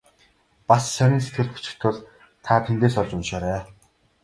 Бас сонин сэтгүүлд бичих тул та тэндээс олж уншаарай.